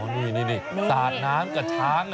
นี่สาดน้ำกับช้าง